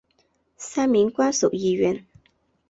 三名官守议员。